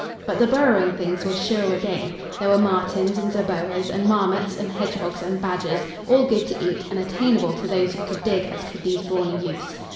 But the burrowing things were surer game. There were martens and zerboas, and marmots and hedgehogs and badgers, all good to eat and attainable to those who could dig as could these brawny youths.